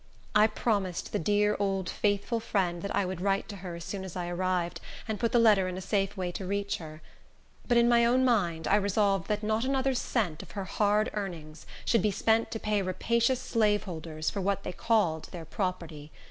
I promised the dear old faithful friend that I would write to her as soon as I arrived, and put the letter in a safe way to reach her; but in my own mind I resolved that not another cent of her hard earnings should be spent to pay rapacious slaveholders for what they called their property.